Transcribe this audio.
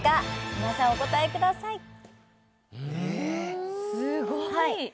皆さんお答えくださいええ？